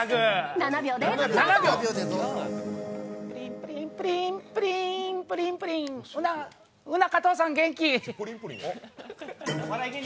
プリンプリンプリンプリンプリン、うな加藤さん元気？